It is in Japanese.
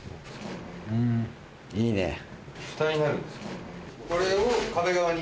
んいいね。